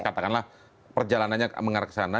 katakanlah perjalanannya mengarah ke sana